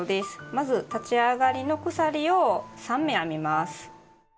まず立ち上がりの鎖を３目編みます。